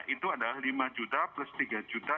itu adalah lima juta plus tiga juta